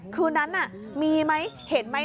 คืนนั้นมีไหมเห็นไหม